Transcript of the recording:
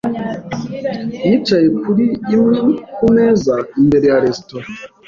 yicaye kuri imwe kumeza imbere ya resitora.